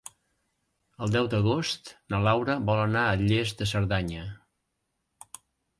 El deu d'agost na Laura vol anar a Lles de Cerdanya.